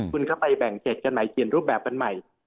คุณก็ไปแบ่งเขตกันใหม่เขียนรูปแบบกันใหม่